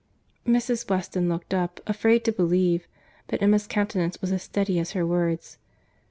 Mrs. Weston looked up, afraid to believe; but Emma's countenance was as steady as her words.